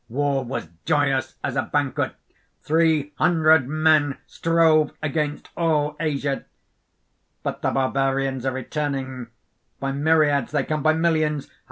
War was joyous as a banquet. Three hundred men strove against all Asia. "But the Barbarians are returning; by myriads they come, by millions! Ah!